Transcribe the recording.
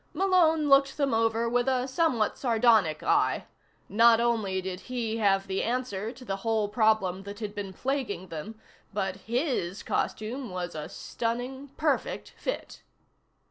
Malone looked them over with a somewhat sardonic eye. Not only did he have the answer to the whole problem that had been plaguing them, but his costume was a stunning, perfect fit.